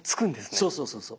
そうそうそうそう。